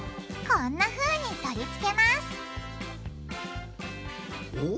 こんなふうに取り付けますお！